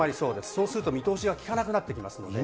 そうすると見通しが利かなくなってきますので。